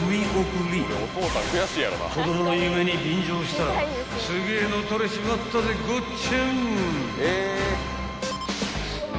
［子供の夢に便乗したらすげえの撮れちまったぜごっちゃん！］